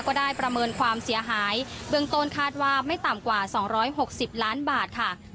ก็ได้ประเมินความเสียหายเบื้องต้นคาดว่าไม่ต่ำกว่า๒๖๐ล้านบาทค่ะ